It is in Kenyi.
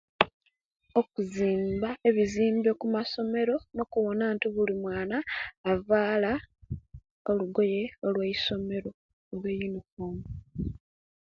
Okuzimba ebizimbe okumasomero, no okuwona nti buli mwana avaala olugoye olweisomero oba eyunifoomu.